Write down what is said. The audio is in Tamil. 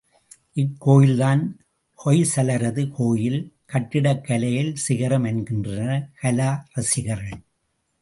இக்கோயில்தான் ஹொய்சலரது கோயில் கட்டிடக் கலையில் சிகரம் என்கின்றனர், கலா ரசிகர்கள்.